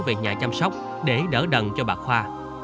về nhà chăm sóc để đỡ đần cho bà khoa